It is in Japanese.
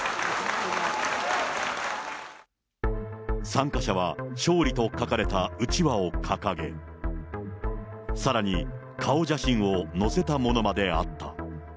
参加者は勝利と書かれたうちわを掲げ、さらに顔写真を載せたものまであった。